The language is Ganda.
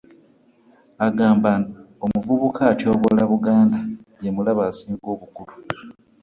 Agamba omuvubuka atyoboola Buganda ye mulabe asinga obukulu.